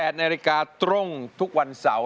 ๘นาฬิกาตรงทุกวันเสาร์